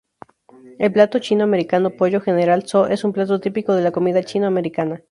El plato chino-americano Pollo General Tso es un plato típico de la comida chino-americana.